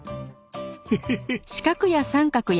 ヘヘヘッ。